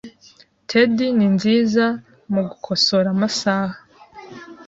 Ted ninziza mugukosora amasaha .